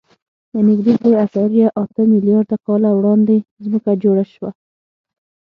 نږدې درې اعشاریه اته میلیارده کاله وړاندې ځمکه جوړه شوه.